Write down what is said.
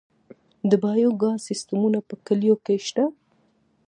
د بایو ګاز سیستمونه په کلیو کې شته؟